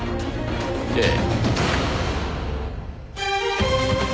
ええ。